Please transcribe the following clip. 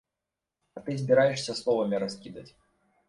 А ты збіраешся словамі раскідаць.